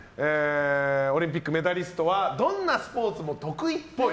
オリンピックメダリストはどんなスポーツも得意っぽい。